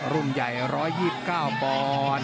รุ่มใหญ่ร้อยยิบเก้าบอร์น